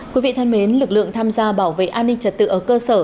quý vị thân mến lực lượng tham gia bảo vệ an ninh trật tự ở cơ sở